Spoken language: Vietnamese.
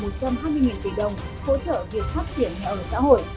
một trăm hai mươi tỷ đồng hỗ trợ việc phát triển nhà ở xã hội